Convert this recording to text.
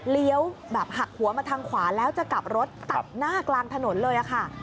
แบบหักหัวมาทางขวาแล้วจะกลับรถตัดหน้ากลางถนนเลยค่ะ